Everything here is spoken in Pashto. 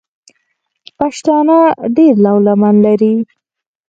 پښتانه ډېره لو لمن لري.